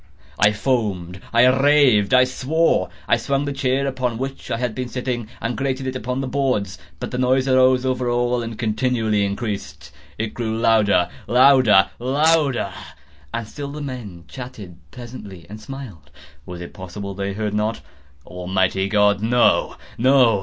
I foamed—I raved—I swore! I swung the chair upon which I had been sitting, and grated it upon the boards, but the noise arose over all and continually increased. It grew louder—louder—louder! And still the men chatted pleasantly, and smiled. Was it possible they heard not? Almighty God!—no, no!